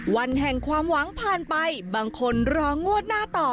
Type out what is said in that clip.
วันแห่งความหวังผ่านไปบางคนรองวดหน้าต่อ